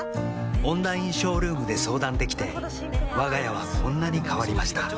オンラインショールームで相談できてわが家はこんなに変わりました